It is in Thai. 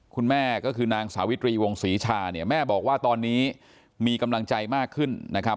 คุณแม่ก็คือนางสาวิตรีวงศรีชาเนี่ยแม่บอกว่าตอนนี้มีกำลังใจมากขึ้นนะครับ